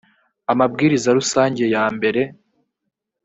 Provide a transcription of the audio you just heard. amabwiriza rusange yambere